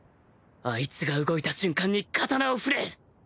あいつが動いた瞬間に刀を振れ